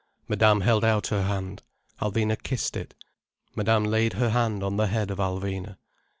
Madame held out her hand. Alvina kissed it. Madame laid her hand on the head of Alvina.